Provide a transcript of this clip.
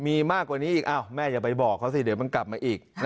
มีมากกว่านี้อีกแม่อย่าไปบอกเขาสิเดี๋ยวมันกลับมาอีก